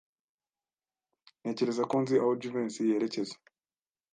Ntekereza ko nzi aho Jivency yerekeza.